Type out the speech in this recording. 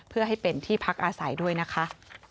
เพื่อให้เป็นที่พักอาศัยด้วยนะคะ